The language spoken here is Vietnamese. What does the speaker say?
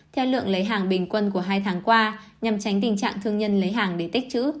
theo lượng lấy hàng bình quân của hai tháng qua nhằm tránh tình trạng thương nhân lấy hàng để tích chữ